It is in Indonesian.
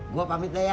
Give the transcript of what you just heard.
gue pamit lah ya